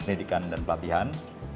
pendidikan dan pelatihan